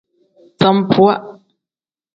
Sambuwa.